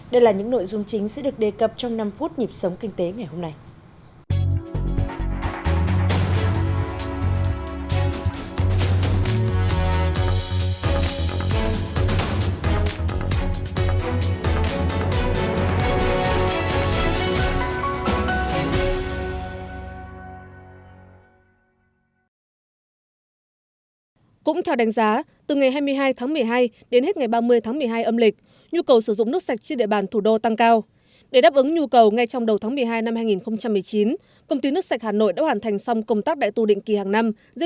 đây là những nội dung chính sẽ được đề cập trong năm phút nhịp sống kinh tế ngày hôm nay